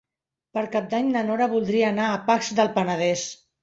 Per Cap d'Any na Nora voldria anar a Pacs del Penedès.